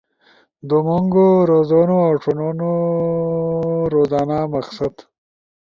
ومونگو (رزونو اؤ ݜنونو)، روازانہ مقصد